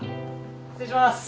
失礼します。